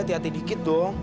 hati hati dikit dong